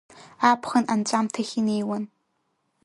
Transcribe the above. Аԥхын анҵәамҭахь инеиуан.